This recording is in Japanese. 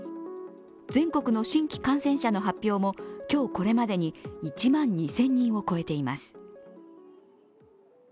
全国の新規感染者の発表も今日これまでに１万２０００人を超えています。